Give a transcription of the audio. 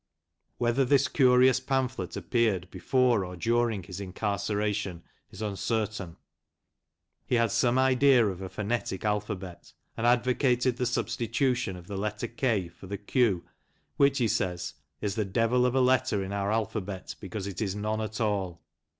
Whether this curious pamphlet appeared before or during his incarceration is uncertain. He had some idea of a phonetic alphabet, and advocated the substitution of the letter " K " for the " O." which he says "is the devil of a letter in our alphabet, because it is none at all."